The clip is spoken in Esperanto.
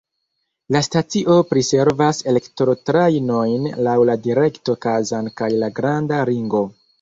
La stacio priservas elektrotrajnojn laŭ la direkto Kazan kaj la Granda Ringo.